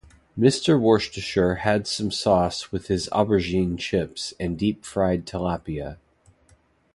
Mr. Worcestershire had some sauce with his aubergine chips and deep fried talapia.